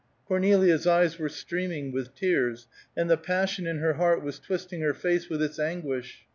Cornelia's eyes were streaming with tears, and the passion in her heart was twisting her face with its anguish.